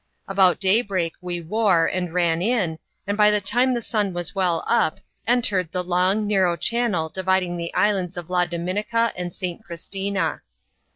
About daybreak we wore, and ran in, and by the time the sun was well up, entered the long, narrow channel dividing the islands of La Dominica and St. Christina.